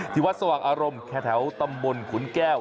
วัดสว่างอารมณ์แค่แถวตำบลขุนแก้ว